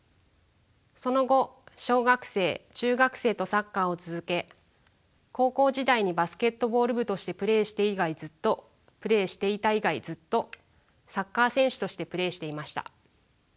その後小学生中学生とサッカーを続け高校時代にバスケットボール部としてプレーしていた以外ずっとサッカー選手としてプレーしていました。